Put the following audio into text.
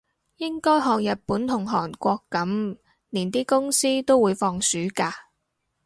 應該學日本同韓國噉，連啲公司都會放暑假